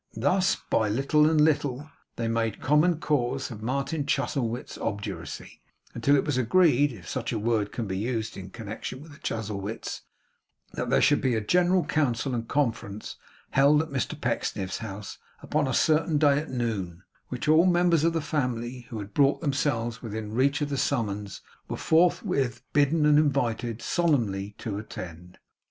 Thus, by little and little, they made common cause of Martin Chuzzlewit's obduracy, until it was agreed (if such a word can be used in connection with the Chuzzlewits) that there should be a general council and conference held at Mr Pecksniff's house upon a certain day at noon; which all members of the family who had brought themselves within reach of the summons, were forthwith bidden and invited, solemnly, to attend.